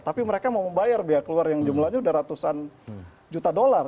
tapi mereka mau membayar biaya keluar yang jumlahnya sudah ratusan juta dolar